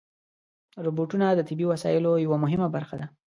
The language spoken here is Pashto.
روبوټونه د طبي وسایلو یوه مهمه برخه ده.